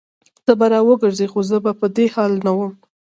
ته به راوګرځي خو زه به په دې حال نه وم